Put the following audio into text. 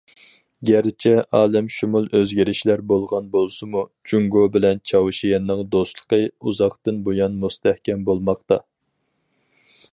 گەرچە ئالەمشۇمۇل ئۆزگىرىشلەر بولغان بولسىمۇ، جۇڭگو بىلەن چاۋشيەننىڭ دوستلۇقى ئۇزاقتىن بۇيان مۇستەھكەم بولماقتا.